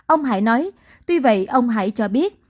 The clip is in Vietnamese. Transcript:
ông hải nói tuy vậy ông hải cho biết